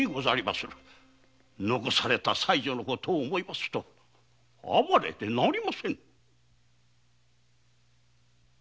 残された妻女の事を思うと哀れでなりませぬ。